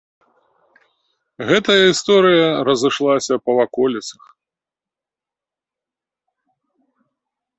Гэтая гісторыя разышлася па ваколіцах.